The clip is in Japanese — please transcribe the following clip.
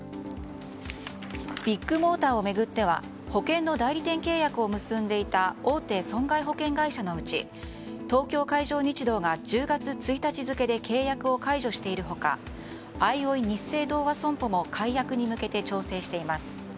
ビッグモーターを巡っては保険の代理店契約を結んでいた大手損害保険会社のうち東京海上日動が１０月１日付で契約を解除している他あいおいニッセイ同和損保も解約に向けて調整しています。